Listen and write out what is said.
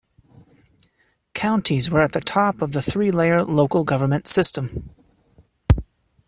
Counties were at the top of a three-layer local government system.